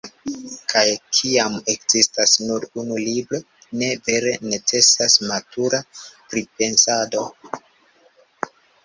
Kaj kiam ekzistas nur unu libro, ne vere necesas “matura pripensado”.